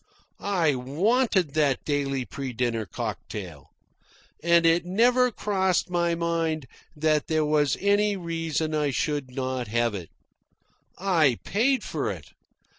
I WANTED that daily pre dinner cocktail. And it never crossed my mind that there was any reason I should not have it. I paid for it.